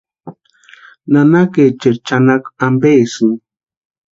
¿Nanakaecheri chʼanakwa ampesïni?